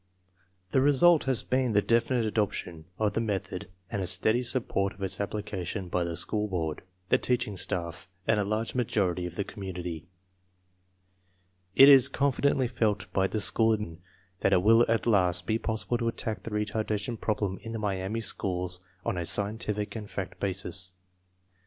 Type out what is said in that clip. The result has been the definite adoption of the method and a steady support of its application by the school board, the teaching staff, and a large majority of the community. It is confidently felt by the school administration that it will at last be possible to attack the retardation problem in the Miami schools on a scientific and fact basis.